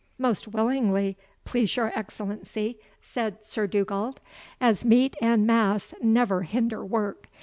"Most willingly, please your Excellency," said Sir Dugald; "as meat and mass never hinder work.